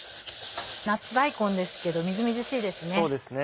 夏大根ですけどみずみずしいですね。